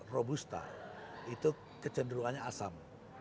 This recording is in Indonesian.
robusta itu kecenderungannya asam